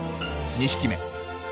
２匹目。